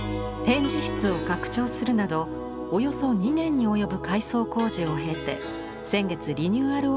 展示室を拡張するなどおよそ２年に及ぶ改装工事を経て先月リニューアル